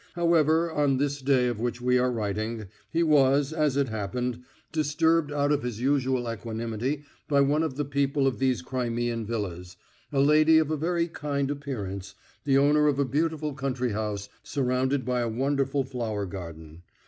However, on this day of which we are writing, he was, as it happened, disturbed out of his usual equanimity by one of the people of these Crimean villas, a lady of a very kind appearance, the owner of a beautiful country house surrounded by a wonderful flower garden.